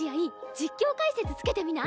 実況解説付けてみない？